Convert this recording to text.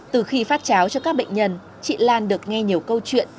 từ khi phát cháo cho các bệnh nhân chị lan được nghe nhiều câu chuyện